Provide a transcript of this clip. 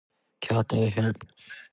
きゃー大変！